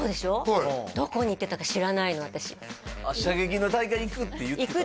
はいどこに行ってたか知らないの私射撃の大会に行くって言ってた？